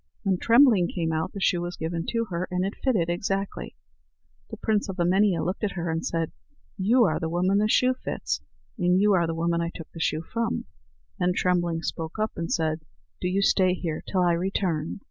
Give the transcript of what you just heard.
When Trembling came out, the shoe was given to her, and it fitted exactly. The prince of Emania looked at her and said: "You are the woman the shoe fits, and you are the woman I took the shoe from." Then Trembling spoke up, and said: "Do you stay here till I return."